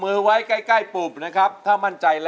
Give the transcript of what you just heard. ทุกคนนี้ก็ส่งเสียงเชียร์ทางบ้านก็เชียร์